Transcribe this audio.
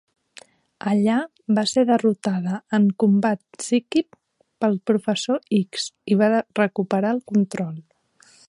Allà, va ser derrotada en combat psíquic pel Professor X, i va recuperar el control.